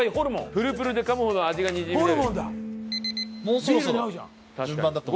「プルプルで噛むほど味がにじみ出る」。